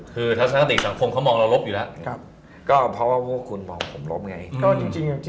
คือทัศนคติสังคมเขามองเราลบอยู่แล้วก็เพราะว่าพวกคุณมองผมลบไง